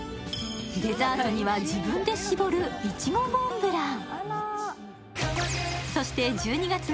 デザートには自分で絞る苺モンブラン。